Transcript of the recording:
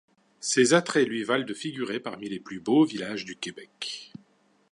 Ces attraits lui valent de figurer parmi les plus beaux villages du Québec.